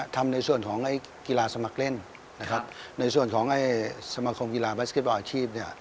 ทำในส่วนของกีฬาสมัครเล่นในส่วนของสมาคมกีฬาบาสเก็ตบอลอาชีพ